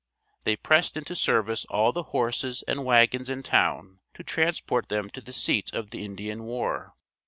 They pressed into service all the horses and wagons in town to transport them to the seat of the Indian war.